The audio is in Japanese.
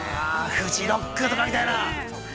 ◆フジロックとかみたいな。